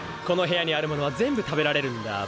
この部屋にあるものは全部食べられるんだ。